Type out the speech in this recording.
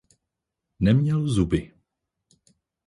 Neměl zuby.